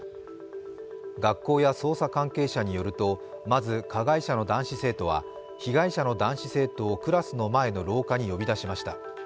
学校や捜査関係者によると、まず加害者の男子生徒は被害者の男子生徒をクラスの前の廊下に呼び出しました。